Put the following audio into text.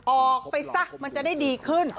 ออกไปซะมันจะได้ดีขึ้น